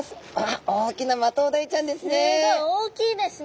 大きなマトウダイちゃんですね。